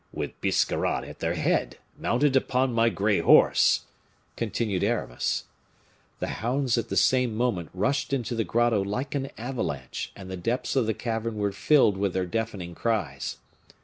"With Biscarrat at their head, mounted upon my gray horse," continued Aramis. The hounds at the same moment rushed into the grotto like an avalanche, and the depths of the cavern were filled with their deafening cries.